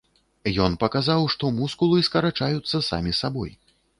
Ён паказаў, што мускулы скарачаюцца самі сабой.